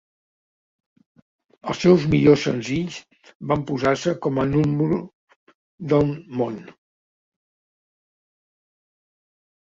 Els seus millors senzills van posar-se com a núm. del món.